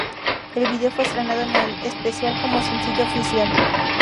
El vídeo fue estrenado en el especial como sencillo oficial.